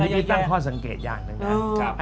นี่ตั้งพ่อสังเกตอย่างหนึ่งนะ